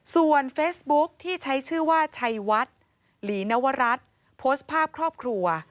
ส่วนเฟซบุ๊คที่ใช้ชื่อว่าชัยวัดหลีนวรัฐโพสต์ภาพครอบครัว